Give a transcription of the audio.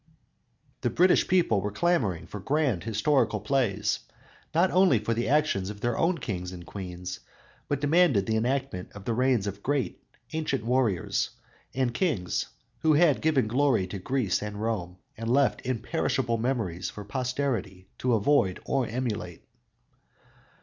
The British people were clamoring for grand historical plays, not only for the actions of their own kings and queens, but demanded the enactment of the reigns of great, ancient warriors and kings who had given glory to Greece and Rome and left imperishable memories for posterity to avoid or emulate.